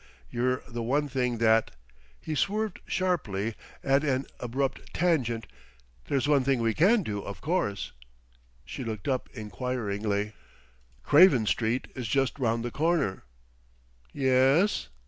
You're the one thing that ..." He swerved sharply, at an abrupt tangent. "There's one thing we can do, of course." She looked up inquiringly. "Craven Street is just round the corner." "Yes?"